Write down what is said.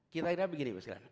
kita kira begini bu skelen